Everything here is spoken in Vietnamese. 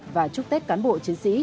và chúc tết cán bộ chiến sĩ